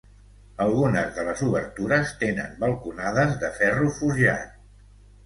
Algunes de les obertures tenen balconades de ferro forjat.